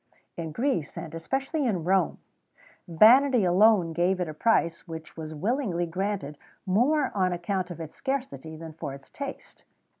In Greece, and especially in Rome, vanity alone gave it a price which was willingly granted, more on account of its scarcity than for its taste.